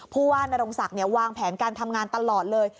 ผู้ว่านรงศักดิ์วางแผนการทำงานตลอดเลย